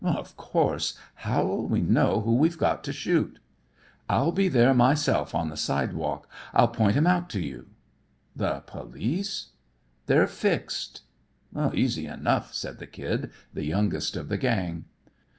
"Of course. How'll we know who we've got to shoot?" "I'll be there myself on the sidewalk. I'll point him out to you." "The police?" "They're fixed." "Easy enough," said the Kid, the youngest of the gang.